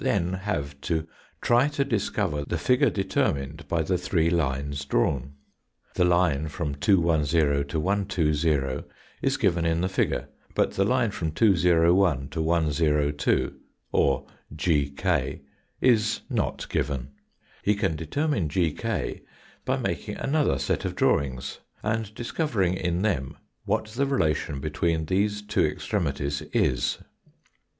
Gi then have to try to discover the figure determined by the three lines drawn. The line from 210 to 120 is given in the figure, but the line from 201 to 102 or GK is not given. He can determine GK by making another set of drawing^ and discovering in them what the relation between these two extremities is.